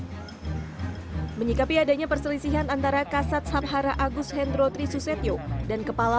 hai menyikapi adanya perselisihan antara kasat sabhara agus hendro tri susetyo dan kepala